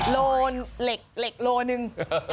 โลเล็กเล็กโลนึง